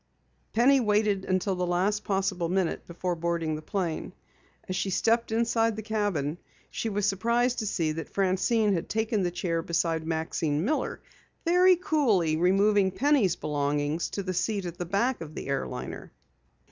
Penny waited until the last possible minute before boarding the plane. As she stepped inside the cabin she was surprised to see that Francine had taken the chair beside Maxine Miller, very coolly moving Penny's belongings to the seat at the back of the airliner.